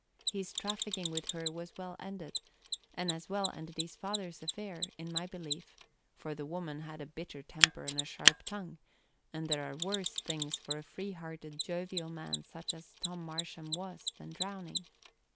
His trafficking with her was well ended, and as well ended his father's affair, in my belief; for the woman had a bitter temper and a sharp tongue, and there are worse things for a free hearted, jovial man such as Tom Marsham was, than drowning.